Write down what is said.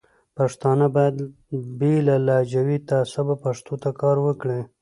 پښتانه باید بې له لهجوي تعصبه پښتو ته کار وکړي.